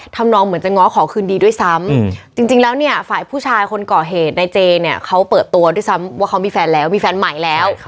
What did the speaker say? น้องเหมือนจะง้อขอคืนดีด้วยซ้ำจริงแล้วเนี่ยฝ่ายผู้ชายคนก่อเหตุในเจเนี่ยเขาเปิดตัวด้วยซ้ำว่าเขามีแฟนแล้วมีแฟนใหม่แล้ว